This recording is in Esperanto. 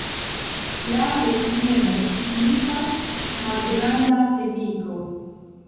La loknomo signifas: malgranda-peniko.